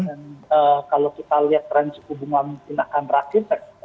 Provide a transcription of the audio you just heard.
dan kalau kita lihat tren hubungan kinerjaan berakhir